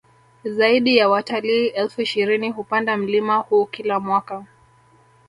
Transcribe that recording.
Zaidi ya watalii elfu ishirini hupanda mlima huu kila mwaka